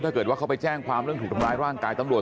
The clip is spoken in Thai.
ถ้าเกิดว่าเขาไปแจ้งความเรื่องถูกทำร้ายร่างกายตำรวจ